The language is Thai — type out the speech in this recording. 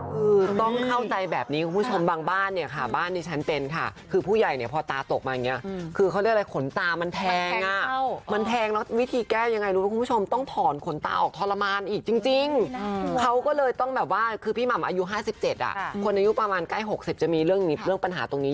คือต้องเข้าใจแบบนี้คุณผู้ชมบางบ้านเนี่ยค่ะบ้านที่ฉันเป็นค่ะคือผู้ใหญ่เนี่ยพอตาตกมาอย่างนี้คือเขาเรียกอะไรขนตามันแทงอ่ะมันแทงแล้ววิธีแก้ยังไงรู้ไหมคุณผู้ชมต้องถอนขนตาออกทรมานอีกจริงเขาก็เลยต้องแบบว่าคือพี่หม่ำอายุ๕๗อ่ะคนอายุประมาณใกล้๖๐จะมีเรื่องปัญหาตรงนี้